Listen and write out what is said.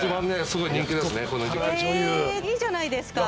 いいじゃないですか。